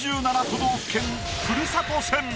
４７都道府県ふるさと戦。